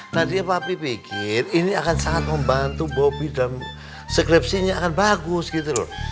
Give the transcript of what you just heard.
tadinya papi pikir ini akan sangat membantu bobby dan skripsinya akan bagus gitu loh